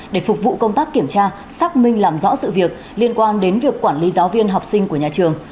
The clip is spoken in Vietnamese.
để phục vụ công tác kiểm tra xác minh làm rõ sự việc liên quan đến việc quản lý giáo viên học sinh của nhà trường